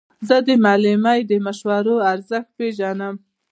زه د معلمې د مشورو ارزښت پېژنم.